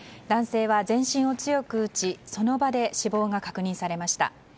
男性は全身を強く打ちその場で死亡が確認されました。